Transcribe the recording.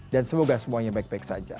dan semoga semuanya baik baik saja